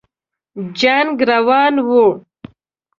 جنګ روان وو.